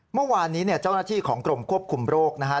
เมื่อวานนี้เนี่ยเจ้าหน้าที่ของกรมควบคุมโรคนะฮะ